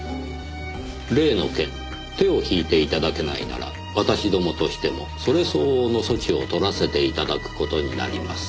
「例の件手を引いていただけないなら私どもとしてもそれ相応の措置をとらせていただくことになります」